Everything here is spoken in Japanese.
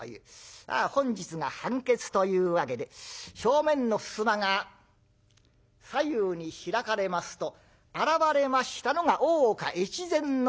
本日が判決というわけで正面の襖が左右に開かれますと現れましたのが大岡越前守様という。